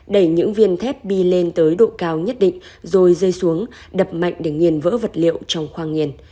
đẩy những viên thép đi lên tới độ cao nhất định rồi rơi xuống đập mạnh để nghiền vỡ vật liệu trong khoang nghiền